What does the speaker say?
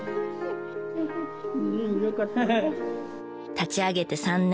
立ち上げて３年。